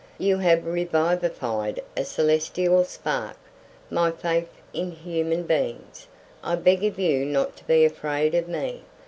"You have revivified a celestial spark my faith in human beings. I beg of you not to be afraid of me.